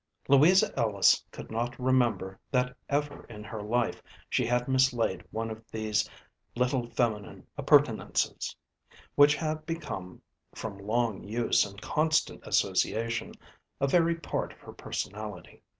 Louisa Ellis could not remember that ever in her life she had mislaid one of these little feminine appurtenances, which had become, from long use and constant association, a very part of her personality.